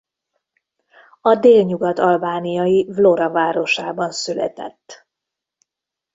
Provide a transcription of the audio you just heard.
A délnyugat-albániai Vlora városában született.